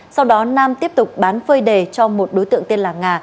sau đó nam tiếp tục bán phơi đề cho một đối tượng tên là nga